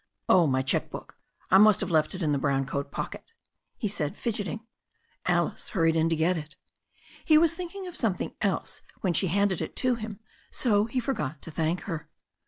I "Oh, my cheque book; I must have left it in the brown coat pocket," he said, fidgeting. Alice hurried in to get it He was thinking of something else when she handed it to him, so he forgot to thank her.